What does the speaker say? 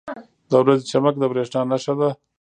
• د ورځې چمک د بریا نښه ده.